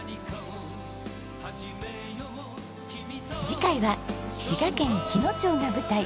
次回は滋賀県日野町が舞台。